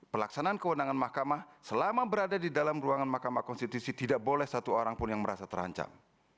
pelaksanaan kewenangan mahkamah selama berada di dalam ruangan mahkamah konstitusi tidak boleh satu orang pun yang merasa terancam